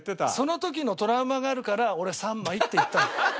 その時のトラウマがあるから俺「３枚」って言ったの。